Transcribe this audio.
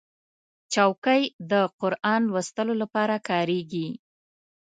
چوکۍ د قرآن لوستلو لپاره کارېږي.